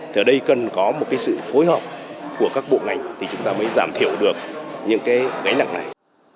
thì ở đây cần có một cái sự phối hợp của các bộ ngành thì chúng ta mới giảm thiểu được những cái gánh nặng này